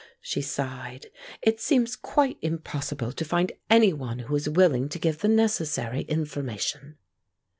she sighed. "It seems quite impossible to find any one who is willing to give the necessary information."